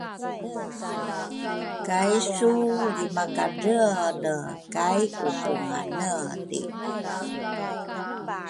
kaisu lrimakadreele kay upunganeli.